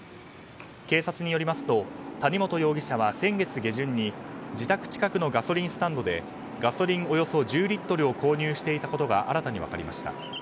警察によりますと谷本容疑者は先月下旬に自宅近くのガソリンスタンドでガソリンおよそ１０リットルを購入していたことが新たに分かりました。